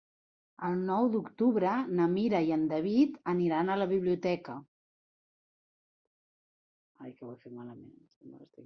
El nou d'octubre na Mira i en David aniran a la biblioteca.